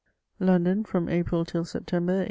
London, firom April till September, 1822.